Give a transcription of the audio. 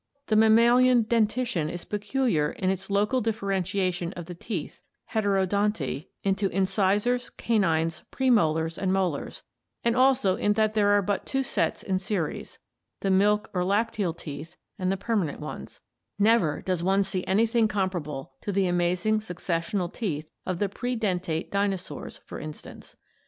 The mammalian dentition is peculiar in the local differentiation of the teeth (heterodonty) into incisors, canines, premolars, and molars, and also in that there are but two sets in series, the milk or lacteal teeth and the permanent ones; never does one see anything comparable to the amazing successional teeth of the predentate dinosaurs, for instance.